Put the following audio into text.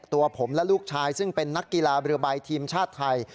ตัวผมและลูกชายซึ่งเป็นนักกีฬาเรือใบทีมชาติไทย